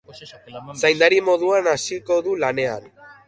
Zaindari moduan hasiko du lanean.